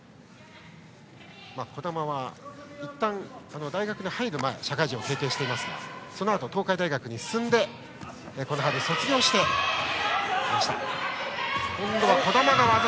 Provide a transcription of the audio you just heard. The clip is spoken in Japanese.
児玉はいったん大学に入る前社会人を経験していますが東海大学に進んでこの春卒業しました。